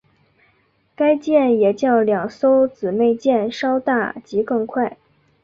该舰也较两艘姊妹舰稍大及更快。